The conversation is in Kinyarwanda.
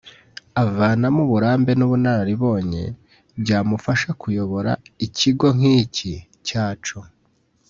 avanamo uburambe n’ubunararibonye byamufasha kuyobora ikigo nk’iki cyacu